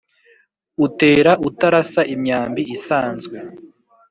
utera utarasa imyambi isanzwe